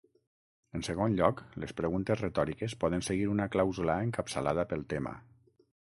En segon lloc, les preguntes retòriques poden seguir una clàusula encapçalada pel tema.